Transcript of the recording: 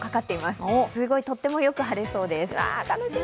すごいとってもよく晴れそうです。